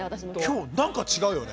今日なんか違うよね。